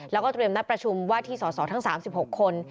แล้วก็เตรียมนัดประชุมว่าที่สอสอทั้ง๓๖คน